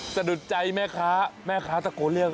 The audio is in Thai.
สะดุดใจแม่ข้าแม่ข้าตะโกเลี่ยง